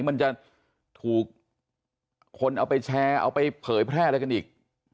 มันจะถูกคนเอาไปแชร์เอาไปเผยแพร่อะไรกันอีก